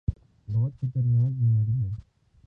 بہت خطرناک بیماری ہے۔